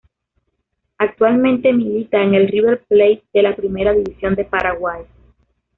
Actualmente milita en el River Plate de la Primera División de Paraguay.